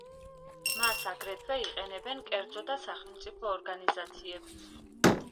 მას აგრეთვე იყენებენ კერძო და სახელმწიფო ორგანიზაციებიც.